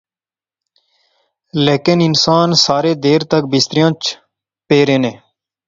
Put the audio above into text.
لیکن انسان سارے دیر تک بستریاں اچ پے رہنے